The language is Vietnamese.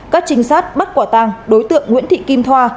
các trinh sát bắt quả tàng đối tượng nguyễn thị kim thoa